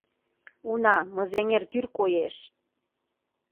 — Уна, Мызеҥер тӱр коеш.